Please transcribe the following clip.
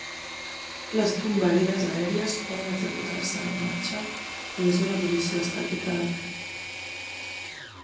Les tombarelles aèries poden executar-se en marxa o des d'una posició estàtica de peu.